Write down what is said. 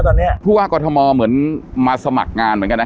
ตอนนี้ผู้ว่ากรทมเหมือนมาสมัครงานเหมือนกันนะ